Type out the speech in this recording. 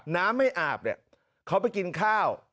น้ำไม่อาบเนี่ยเขาไปกินข้าว